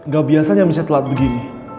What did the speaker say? gak biasanya misalnya telat begini